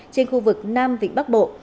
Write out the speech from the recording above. trên khu vực nam vịnh bắc bộ